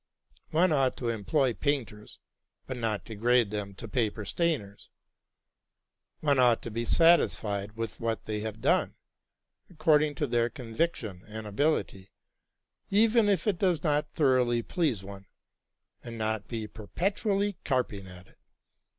One ought to employ painters, but not degrade them to paper stainers ; one ought to be satisfied with what they have done, according to their conviction and ability, even if it does not thoroughly please one, and not be perpetually carping at it.